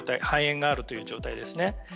肺炎があるという状態ですね。